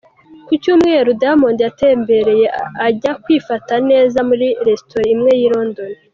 Ku Cyumweru Diamond yaratembereye ajya kwifata neza muri Resitora imwe y'i London.